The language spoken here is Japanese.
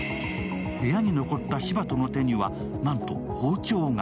部屋に残った司馬戸の手には、なんと包丁が。